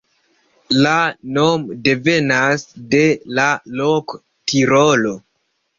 La nomo devenas de la loko Tirolo.